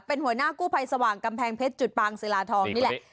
เป็นหัวหน้ากู้ภัยสว่างกำแพงเพชรจุดปางศิลาทองนี่แหละ